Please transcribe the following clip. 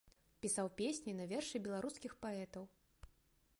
Пісаў песні на вершы беларускіх паэтаў.